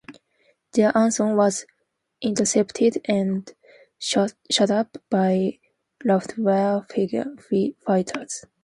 Their Anson was intercepted and shot up by Luftwaffe fighters.